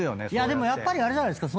やっぱりあれじゃないですか？